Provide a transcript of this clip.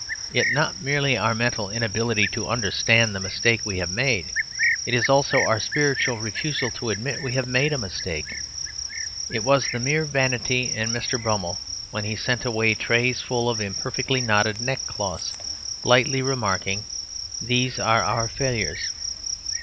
It is not merely our mental inability to understand the mistake we have made. It is also our spiritual refusal to admit that we have made a mistake. It was mere vanity in Mr. Brummell when he sent away trays full of imperfectly knotted neck cloths, lightly remarking, "These are our failures."